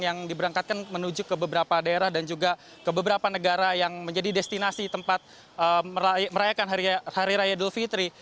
yang diberangkatkan menuju ke beberapa daerah dan juga ke beberapa negara yang menjadi destinasi tempat merayakan hari raya idul fitri